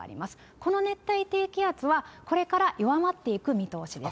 この熱帯低気圧はこれから弱まっていく見通しです。